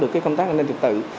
công tác an ninh trực tự